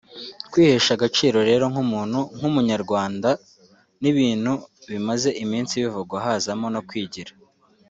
kwihesha agaciro rero nk’umuntu nk’umunyarwanda ni ibintu bimaze iminsi bivugwa hazamo no kwigira